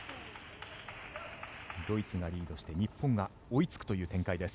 ドイツがリードして日本が追いつくという展開です。